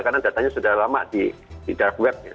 karena datanya sudah lama di dark web